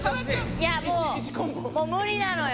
いやもうムリなのよ。